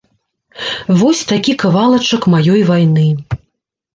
Вось такі кавалачак маёй вайны.